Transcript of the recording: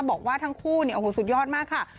บอกว่าทั้งคู่เนี่ยโอ้โหสุดยอดมากค่ะ